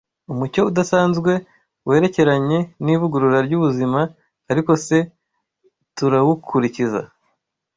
umucyo udasanzwe werekeranye n’ivugurura ry’ubuzima, ariko se turawukurikiza?